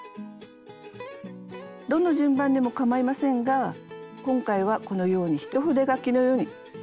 どの順番でもかまいませんが今回はこのように一筆書きのように刺しました。